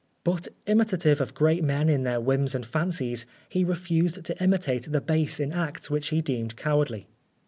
But, imitative of great men in their whims and fancies, he refused to imitate the base in acts which he deemed cowardly.